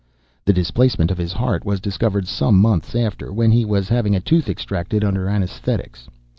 The displacement of his heart was discovered some months after, when he was having a tooth extracted under anaesthetics.